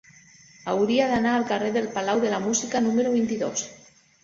Hauria d'anar al carrer del Palau de la Música número vint-i-dos.